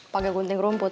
pakai gunting rumput